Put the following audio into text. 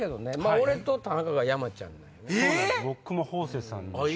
俺と田中が山ちゃん。